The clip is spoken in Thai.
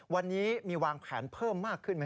วันนี้มีวางแผนเพิ่มมากขึ้นไหม